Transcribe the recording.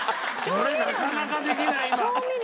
これなかなかできない今。